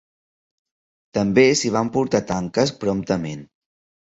També s'hi van portar tanques promptament.